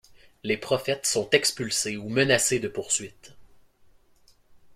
Les prophètes sont expulsés ou menacés de poursuite.